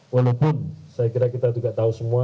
walaupun saya kira kita juga tahu semua